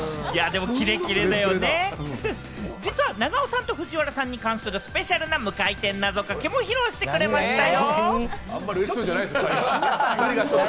実は長尾さんと藤原さんに関するスペシャルな無回転なぞかけも披露してくれましたよ。